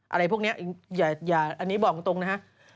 อะไรพวกนี้อันนี้บอกตรงนะฮะ